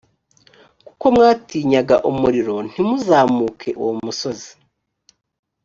kuko mwatinyaga umuriro, ntimuzamuke uwo musozi.